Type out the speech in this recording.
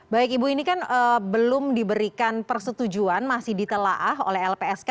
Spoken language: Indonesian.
baik ibu ini kan belum diberikan persetujuan masih ditelah oleh lpsk